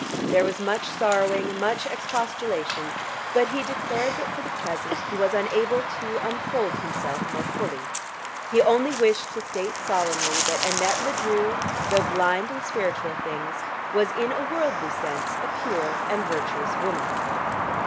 There was much sorrowing, much expostulation, but he declared that for the present he was unable to unfold himself more fully; he only wished to state solemnly that Annette Ledru, though blind in spiritual things, was in a worldly sense a pure and virtuous woman.